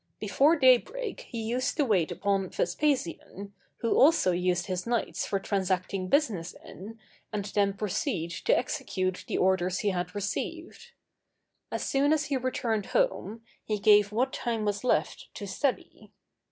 Before day break he used to wait upon Vespasian, who also used his nights for transacting business in, and then proceed to execute the orders he had received. As soon as he returned home, he gave what time was left to study.